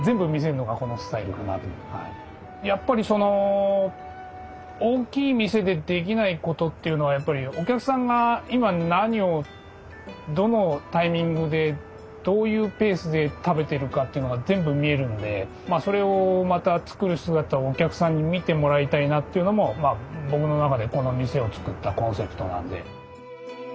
やっぱり大きい店でできないことっていうのはやっぱりお客さんが今何をどのタイミングでどういうペースで食べてるかっていうのが全部見えるのでそれをまた作る姿をお客さんに見てもらいたいなっていうのも僕の中でこの店を作ったコンセプトなんで。